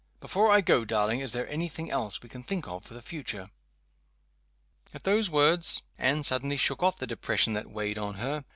Before I go, darling, is there any thing else we can think of for the future?" At those words Anne suddenly shook off the depression that weighed on her.